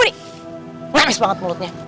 nengis banget mulutnya